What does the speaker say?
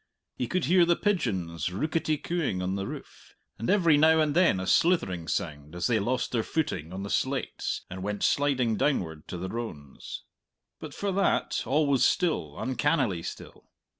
He could hear the pigeons rooketty cooing on the roof, and every now and then a slithering sound, as they lost their footing on the slates and went sliding downward to the rones. But for that, all was still, uncannily still.